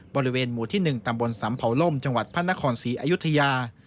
บริเวณหมู่ที่๑ตำบลสำเผาล่มจังหวัดพระนครศรีอยุธยา